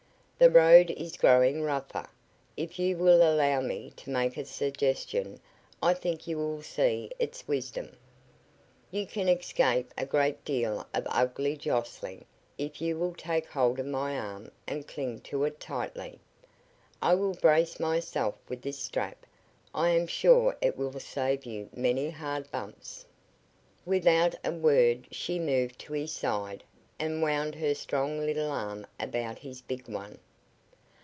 "The road is growing rougher. If you will allow me to make a suggestion, I think you will see its wisdom. You can escape a great deal of ugly jostling if you will take hold of my arm and cling to it tightly. I will brace myself with this strap. I am sure it will save you many hard bumps." Without a word she moved to his side and wound her strong little arm about his big one.